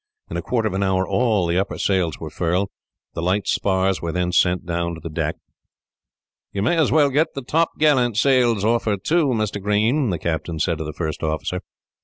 In a quarter of an hour all the upper sails were furled. The light spars were then sent down to the deck. "You may as well get the top gallant sails off her, too, Mr. Green," the captain said to the first officer.